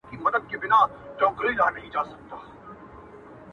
نه یې وېره له انسان وه نه له خدایه-